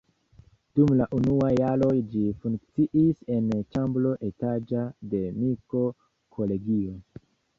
Dum la unuaj jaroj ĝi funkciis en ĉambro etaĝa de Miko-kolegio.